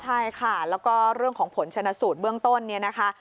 ใช่ค่ะแล้วก็เรื่องของผลชนะสูตรเบื้องต้นเนี่ยนะคะ